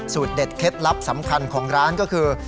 เด็ดเคล็ดลับสำคัญของร้านก็คือ